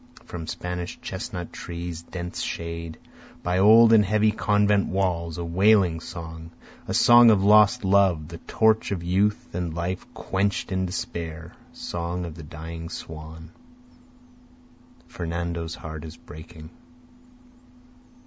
From Spanish chestnut trees' dense shade, By old and heavy convent walls a wailing song, Song of lost love, the torch of youth and life quench'd in despair, Song of the dying swan, Fernando's heart is breaking.